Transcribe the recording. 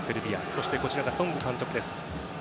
そしてソング監督です。